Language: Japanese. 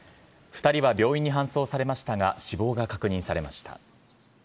２人は病院に搬送されましたが、死亡が確認されました。